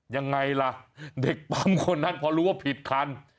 ยังไงล่ะเด็กปั๊มคนนั้นพอรู้ว่าผิดคัน